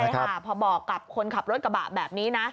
ใช่ค่ะพอบอกกับคนขับรถกระบะแบบนี้นะ